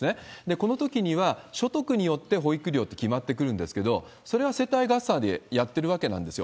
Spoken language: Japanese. このときには、所得によって保育料って決まってくるんですけど、それは世帯合算でやってるわけなんですよ。